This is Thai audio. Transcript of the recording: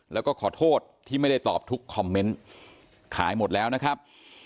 แล้วก็ขอโทษที่ไม่ได้ตอบทุกคอมเมนต์ขายหมดแล้วนะครับ